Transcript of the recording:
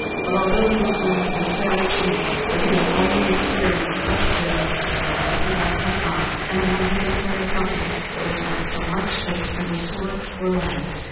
But although he was going to a savage land where he had already experienced much bitterness and sorrow, he went unarmed, and among his entire company there was not so much as a single sword or lance.